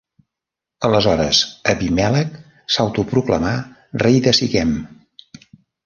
Aleshores Abimèlec s'autoproclamà rei de Siquem.